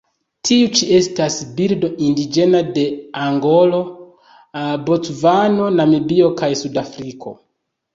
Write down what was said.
Tiu ĉi estas birdo indiĝena de Angolo, Bocvano, Namibio kaj Sudafriko.